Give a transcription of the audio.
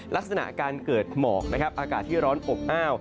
ลักษณะการเกิดหมอกนะครับอากาศที่ร้อนอบอ้าว